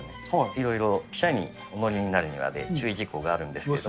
いろいろ汽車にお乗りになるにはで注意事項があるんですけど。